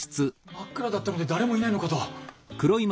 真っ暗だったので誰もいないのかと。